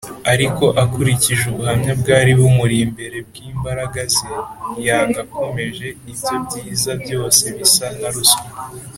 . Ariko akurikije ubuhamya bwari bumuri imbere bw’imbaraga ze, yanga akomeje ibyo byiza byose bisa na ruswa